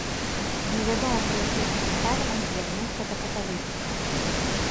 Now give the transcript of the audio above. Невядома пры якіх абставінах звярнуўся да каталіцтва.